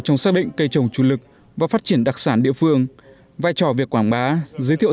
trong xác định cây trồng chủ lực và phát triển đặc sản địa phương vai trò việc quảng bá giới thiệu